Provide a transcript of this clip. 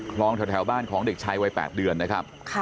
คลองแถวบ้านของเด็กชายวัย๘เดือนนะครับ